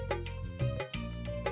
mas rangga mau bantu